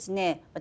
私